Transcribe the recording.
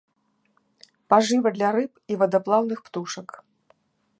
Пажыва для рыб і вадаплаўных птушак.